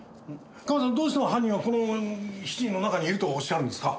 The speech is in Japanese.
カメさんどうしても犯人はこの７人の中にいるとおっしゃるんですか？